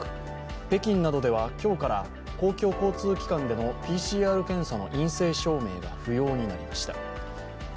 北京などでは今日から公共交通機関でのＰＣＲ検査の陰性証明が不要になりました。